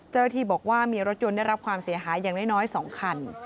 เจ้าหน้าที่บอกว่ามีรถยนต์ได้รับความเสียหายอย่างน้อย๒คัน